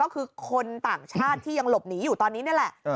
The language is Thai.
ก็คือคนต่างชาติที่ยังหลบหนีอยู่ตอนนี้นี่แหละ